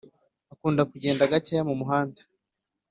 Akunda kugenda gakeya mu muhanda